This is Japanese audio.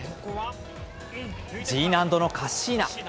Ｇ難度のカッシーナ。